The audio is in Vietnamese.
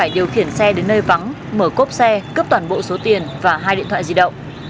điều khiển xe đến nơi vắng mở cốp xe cướp toàn bộ số tiền và hai điện thoại di động